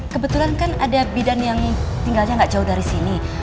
kebetulan kan ada bidan yang tinggalnya nggak jauh dari sini